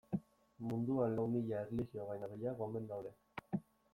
Munduan lau mila erlijio baino gehiago omen daude.